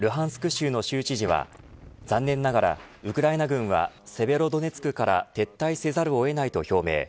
州の州知事は残念ながら、ウクライナ軍はセベロドネツクから撤退せざるを得ないと表明。